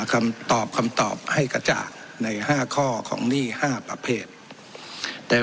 คำตอบคำตอบให้กระจ่างใน๕ข้อของหนี้๕ประเภทแต่